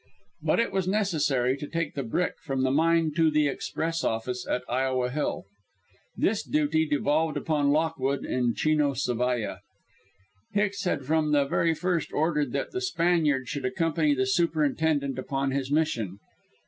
But it was necessary to take the brick from the mine to the express office at Iowa Hill. This duty devolved upon Lockwood and Chino Zavalla. Hicks had from the very first ordered that the Spaniard should accompany the superintendent upon this mission.